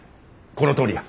このとおりや。